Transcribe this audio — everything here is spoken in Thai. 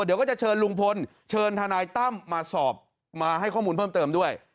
เดี๋ยวก็จะเชิญลุงพลเชิญทนายตั้มมาสอบมาให้ข้อมูลเพิ่มเติมด้วย